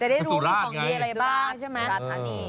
จะได้รู้มีของดีอะไรบ้างใช่ไหมสุราชธานี